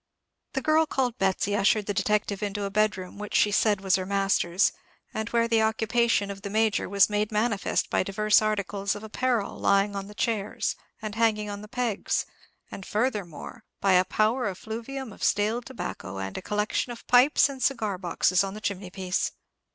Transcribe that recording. The girl called Betsy ushered the detective into a bedroom, which she said was her master's, and where the occupation of the Major was made manifest by divers articles of apparel lying on the chairs and hanging on the pegs, and, furthermore, by a powerful effluvium of stale tobacco, and a collection of pipes and cigar boxes on the chimney piece.